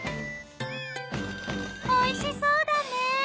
おいしそうだね！